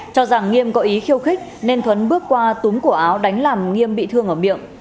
cho rằng nghiêm có ý khiêu khích nên thuấn bước qua túm của áo đánh làm nghiêm bị thương ở miệng